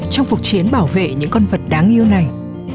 trong cuộc chiến bảo vệ những con vật đáng yêu này